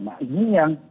nah ini yang